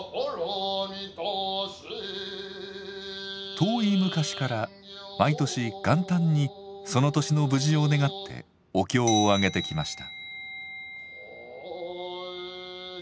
遠い昔から毎年元旦にその年の無事を願ってお経を上げてきました。